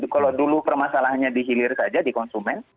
kalau dulu permasalahannya dihilir saja di konsumen